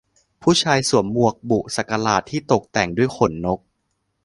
ผู้ชายสวมหมวกบุสักหลาดที่ตกแต่งด้วยขนนก